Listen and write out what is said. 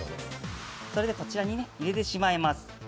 それでこちらに入れてしまいます。